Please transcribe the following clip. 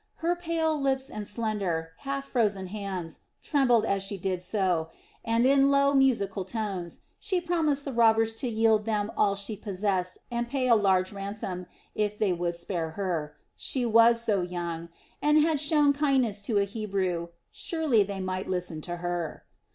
Her pale lips and slender, half frozen hands trembled as she did so, and in low, musical tones she promised the robbers to yield them all she possessed and pay a large ransom, if they would spare her. She was so young, and she had shown kindness to a Hebrew surely they might listen to her.